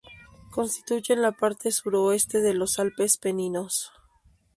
Constituyen la parte suroeste de los Alpes Peninos.